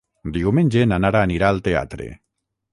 Diumenge na Nara anirà al teatre.